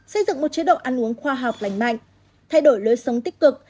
xây dựng một chế độ ăn uống khoa học lành mạnh thay đổi lối sống tích cực